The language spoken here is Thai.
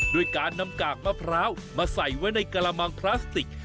ด้วยการนำกากมะพร้าวมาใส่ไว้ในกระมังพลาสติก